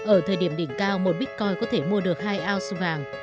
ở thời điểm đỉnh cao một bitcoin có thể mua được hai ounce vàng